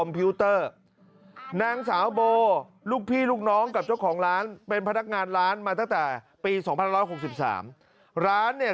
เป็นพนักงานร้านมาตั้งแต่ปีสองพันร้อยหกสิบสามร้านเนี้ย